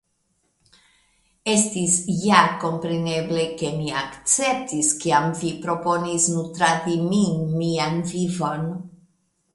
Estis ja kompreneble, ke mi akceptis kiam vi proponis nutradi min mian vivon.